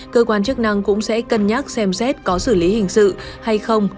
cơ quan chức năng cũng sẽ cân nhắc xem xét có xử lý hình sự hay không